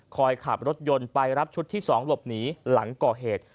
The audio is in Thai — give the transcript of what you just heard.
ขับรถยนต์ไปรับชุดที่๒หลบหนีหลังก่อเหตุ